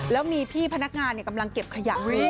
แล้วมีพี่พนักงานเนี่ยกำลังเก็บขยะ